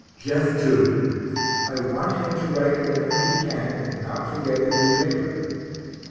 Jeff too, I want him to write whenever he can, and not forget the new paper.